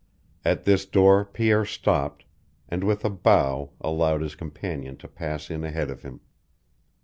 At this door Pierre stopped, and with a bow allowed his companion to pass in ahead of him.